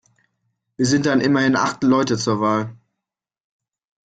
Wir sind dann immerhin acht Leute zur Wahl.